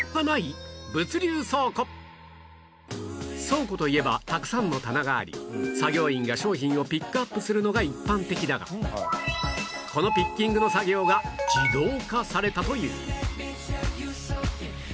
倉庫といえばたくさんの棚があり作業員が商品をピックアップするのが一般的だがこのピッキングの作業が自動化されたという